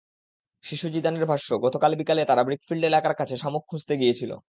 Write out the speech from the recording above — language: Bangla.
শিশু জিদানের ভাষ্য, গতকাল বিকেলে তারা ব্রিকফিল্ড এলাকার কাছে শামুক খুঁজতে গিয়েছিল।